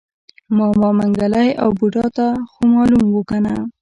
ماما منګلی او بوډا ته خومالوم و کنه.